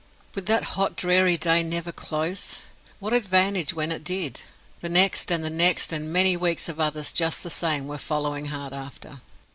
Would that hot dreary day never close? What advantage when it did? The next and the next and many weeks of others just the same were following hard after.